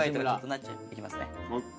いきますね。